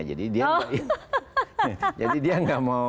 jadi dia nggak mau